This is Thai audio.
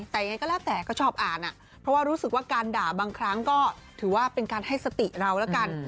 แต่ยังไงก็แล้วแต่ก็ชอบอ่านเพราะว่ารู้สึกว่าการด่าบางครั้งก็ถือว่าเป็นการให้สติเราแล้วกัน